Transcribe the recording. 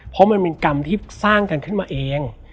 เพราะมันเป็นกรรมที่สร้างกันขึ้นมาเอง